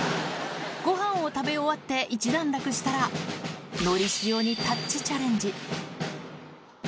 ごはんを食べ終わって、一段落したら、のりしおにタッチチャレンジ。